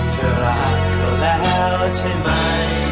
เธอรักเขาแล้วใช่ไหม